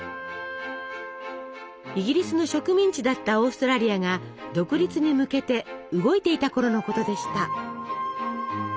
イギリスの植民地だったオーストラリアが独立に向けて動いていたころのことでした。